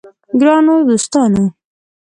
ګرانو دوستانو!